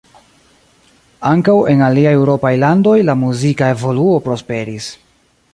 Ankaŭ en aliaj eŭropaj landoj la muzika evoluo prosperis.